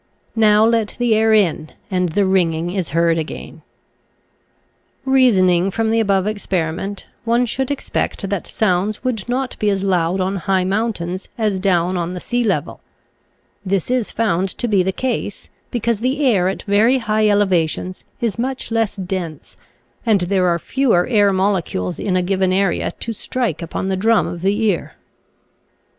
Now let the air in and the ringing is heard again. Reasoning from the above experiment, one should expect that sounds would not be as (^\, Original from :{<~ UNIVERSITY OF WISCONSIN Sounfr. 63 loud on high mountains as down on the sea level. This is found to be the ease, because the air at very high elevations is much less dense and there are fewer air molecules in a given area to strike upon the drum of the ear.